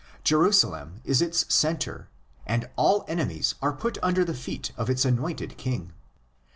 Jerusalem is its centre, and all enemies are put under the feet of its Anointed King.